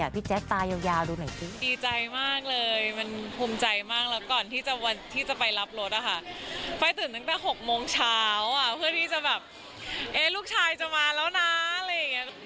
พี่แจ๊คตายาวดูหน่อยสิดีใจมากเลยมันภูมิใจมากแล้วก่อนที่จะวันที่จะไปรับรถนะคะไฟล์ตื่นตั้งแต่๖โมงเช้าเพื่อที่จะแบบลูกชายจะมาแล้วนะอะไรอย่างนี้